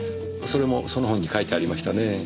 それもその本に書いてありましたね。